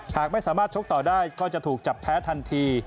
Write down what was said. หากไม่สามารถชกต่อได้ก็จะถูกจับแพ้ทันที